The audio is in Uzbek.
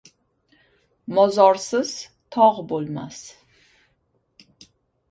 • Mozorsiz tog‘ bo‘lmas.